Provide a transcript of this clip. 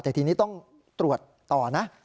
แต่ทีนี้ต้องตรวจต่อนะ